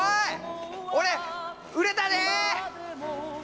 俺売れたで！